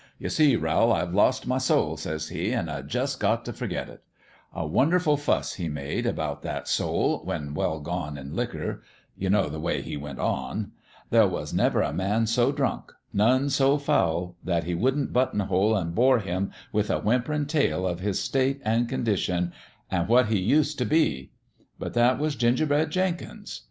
' You see, Rowl, I've lost my soul,' says he, ' an' I jus' got t' forget it.' A wonderful fuss he made about 194 A LITTLE ABOUT LIFE 195 that soul when well gone in liquor. You know the way he went on. There was never a man so drunk none so foul that he wouldn't but tonhole an' bore him with a whimperin' tale of his state an' condition an 1 what he used t' be. But that was Gingerbread Jenkins.